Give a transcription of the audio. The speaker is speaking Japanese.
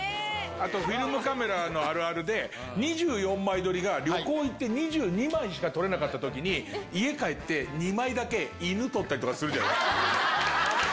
あとフィルムカメラのあるあるで、２４枚撮りが、旅行行って２２枚しか撮れなかったときに、家帰って、２枚だけ犬撮ったりとかするじゃないですか。